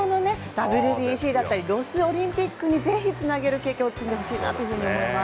ＷＢＣだったりロスオリンピックにぜひ繋げる経験を積んでほしいなと思います。